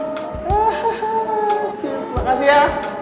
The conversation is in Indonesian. terima kasih ya